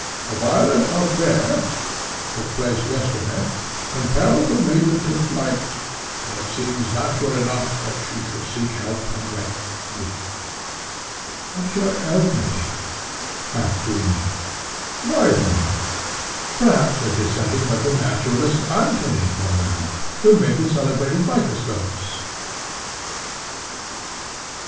A violent affair, which took place yesterday, compelled the maiden to flight, and it seems natural enough that she should seek help and refuge with me." "Dörtje Elverdink!" said Peregrine, half dreaming; "Leuwenhock! perhaps a descendant of the naturalist, Antony Leuwenhock, who made the celebrated microscopes."